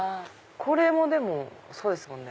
これもそうですもんね。